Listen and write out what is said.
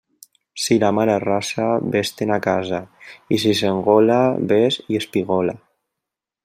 Si la mar arrasa, vés-te'n a casa, i si s'engola, vés i espigola.